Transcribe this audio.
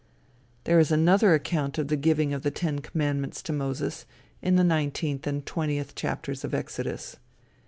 There is another account of the giving of the ten commandments to Moses, in the nineteenth and twentieth chapters of Exodus.